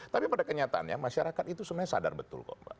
tapi pada kenyataannya masyarakat itu sebenarnya sadar betul kok mbak